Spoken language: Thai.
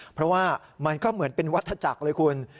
เพราะว่ามันก็เหมือนเป็นวัฒจักรเลยคุณ